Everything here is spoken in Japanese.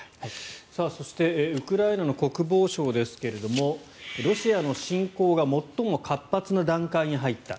そしてウクライナの国防省ですがロシアの侵攻が最も活発な段階に入った。